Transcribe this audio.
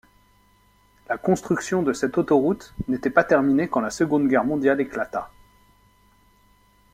La construction de cette autoroute n'était pas terminée quand la Seconde Guerre mondiale éclata.